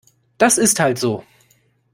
Das ist halt so.